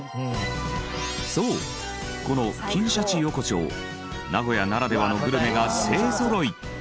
そうこの金シャチ横丁名古屋ならではのグルメが勢ぞろい！